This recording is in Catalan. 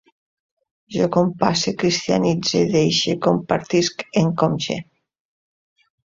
Jo compasse, cristianitze, deixe, compartisc, em conxe